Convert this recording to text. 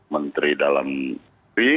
menteri dalam negeri